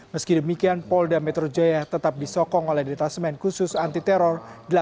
meski demikian pol da metro jaya tetap disokong oleh detasemen khusus anti teror delapan puluh delapan